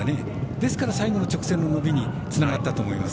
ですから、最後の直線の伸びにつながったと思います。